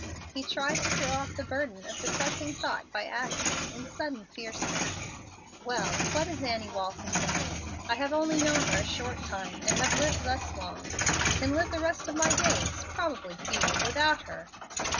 He tried to throw off the burden of depressing thought by asking, in sudden fierceness, "Well, what is Annie Walton to me? I have only known her a short time, and having lived thus long, can live the rest of my days probably few without her."